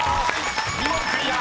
２問クリア！